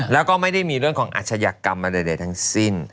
แล้วก็ไม่ได้มีเรื่องของอาชญากรรมอะไรใดทั้งสิ้น